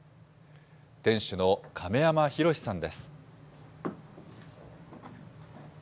店主の亀山浩さんです。